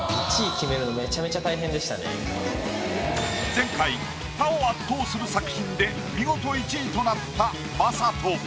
前回他を圧倒する作品で見事１位となった魔裟斗。